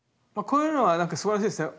こういうのは何かすばらしいですよ。